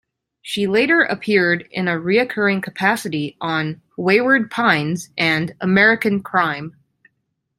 She later appeared in a reoccurring capacity on "Wayward Pines" and "American Crime".